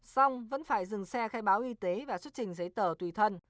xong vẫn phải dừng xe khai báo y tế và xuất trình giấy tờ tùy thân